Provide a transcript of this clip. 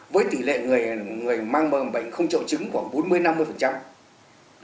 với tỷ lệ người mang bệnh không trậu trứng khoảng bốn mươi năm mươi